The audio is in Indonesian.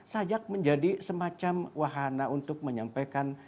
sajak menjadi semacam wahana untuk menyampaikan